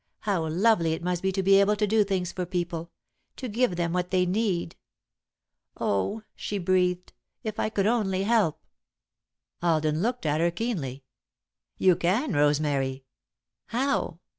How lovely it must be to be able to do things for people to give them what they need! Oh," she breathed, "if I could only help!" [Sidenote: The Gift and the Giver] Alden looked at her keenly. "You can, Rosemary." "How?"